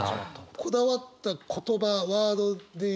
こだわった言葉ワードで言うと？